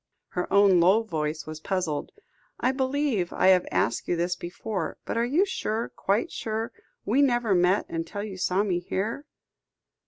Her own low voice was puzzled. "I believe I have asked you this before; but are you sure, quite sure, we never met until you saw me here?"